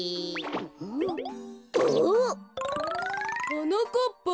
はなかっぱ「